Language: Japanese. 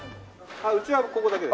うちはここだけです。